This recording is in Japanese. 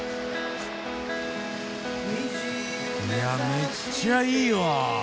いやめっちゃいいわ。